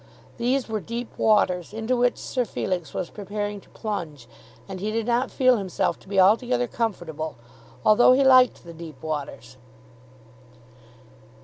These were deep waters into which Sir Felix was preparing to plunge; and he did not feel himself to be altogether comfortable, although he liked the deep waters.